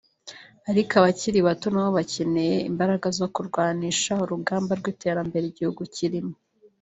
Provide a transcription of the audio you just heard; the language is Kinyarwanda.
ariko abakiri bato nabo bakeneye imbaraga zo kurwanisha urugamba rw’iterambere igihugu kirimo